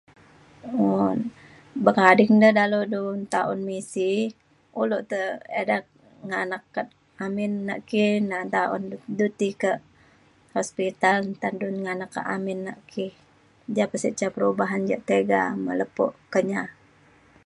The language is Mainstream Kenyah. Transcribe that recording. buk ading da dalau du nta misi ulu da nganak kak amin na ki na nta un du di ti kak hospital. nta du nganak kak amin na ki. ja pa sik ca perubahan ja tiga me lepo Kenyah.